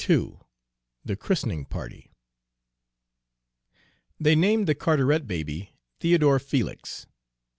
II THE CHRISTENING PARTY They named the Carteret baby Theodore Felix.